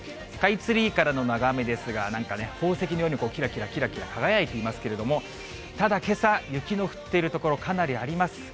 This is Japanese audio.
スカイツリーからの眺めですが、なんかね、宝石のようにきらきらきらきら輝いていますけれども、ただ、けさ雪の降っている所、かなりあります。